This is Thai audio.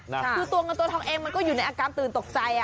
คือตัวเงินตัวทองเองมันก็อยู่ในอาการตื่นตกใจ